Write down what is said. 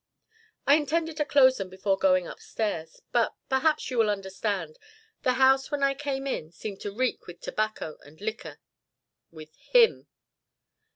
"I intended to close them before going up stairs. But perhaps you will understand the house when I came in seemed to reek with tobacco and liquor with him!"